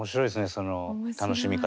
その楽しみ方。